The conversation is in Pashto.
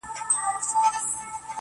څه به وسي دا یوه که پکښي زما سي،